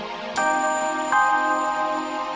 ibu beneran nggak kenapa napa